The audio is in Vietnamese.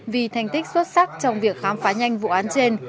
vì thành tích xuất sắc trong việc khám phá nhanh vụ án trên